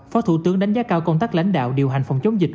phó thủ tướng đánh giá cao công tác lãnh đạo điều hành phòng chống dịch